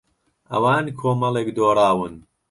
ئەوان کۆمەڵێک دۆڕاون.